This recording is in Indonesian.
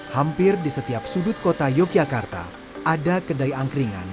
hampir di setiap sudut kota yogyakarta ada kedai angkringan